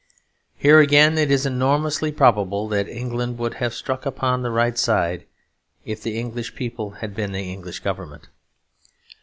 Here again, it is enormously probable that England would have struck upon the right side, if the English people had been the English Government.